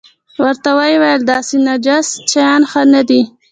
ورته ویې ویل داسې نجس شیان ښه نه دي.